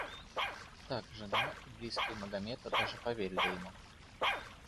Так, жена и близкие Магомета даже поверили ему.